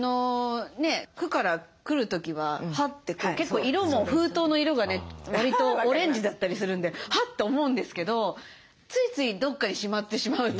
区から来る時はハッて結構色も封筒の色がねわりとオレンジだったりするんでハッと思うんですけどついついどっかにしまってしまうと。